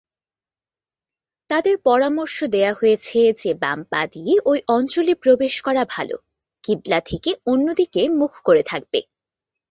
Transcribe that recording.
তাদের পরামর্শ দেওয়া হয়েছে যে বাম পা দিয়ে ওই অঞ্চলে প্রবেশ করা ভাল কিবলা থেকে অন্য দিকে মুখ করে থাকবে।